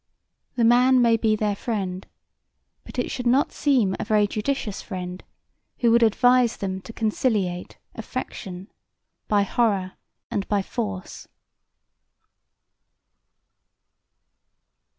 The man may be their friend, but it should seem not a very judicious friend, who would advise them to conciliate affection by horror and by force.